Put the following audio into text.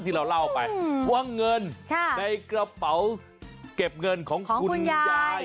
ที่เราเล่าไปว่าเงินในกระเป๋าเก็บเงินของคุณยาย